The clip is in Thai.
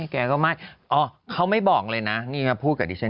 แกก็ไม่อ๋อเขาไม่บอกเลยนะนี่มาพูดกับดิฉัน